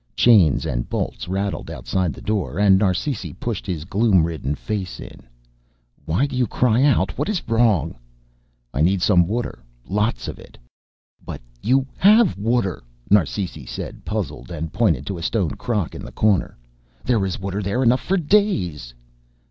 Chains and bolts rattled outside the door and Narsisi pushed his gloom ridden face in. "Why do you cry out? What is wrong?" "I need some water, lots of it." "But you have water," Narsisi said, puzzled, and pointed to a stone crock in the corner. "There is water there enough for days."